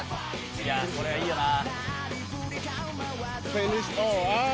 宮田：これは、いいよな。